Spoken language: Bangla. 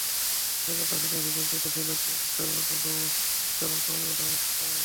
এ কথা শুনে ভীষণ চটেছিলেন কোয়ান্টামের অন্যতম জনক আলবার্ট আইনস্টাইন।